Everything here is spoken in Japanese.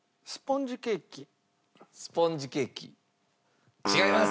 スポンジケーキ違います。